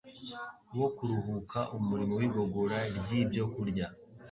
wo kuruhuka umurimo w’igogora ry’ibyokurya